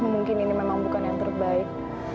mungkin ini memang bukan yang terbaik